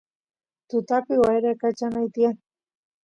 tutapi wyrakachanay tiyan